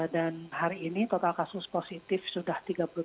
dan hari ini total kasus positif sudah tiga puluh tiga